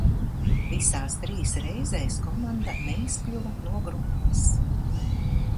Visās trīs reizēs komanda neizkļuva no grupas.